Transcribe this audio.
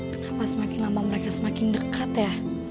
kenapa semakin lama mereka semakin dekat ya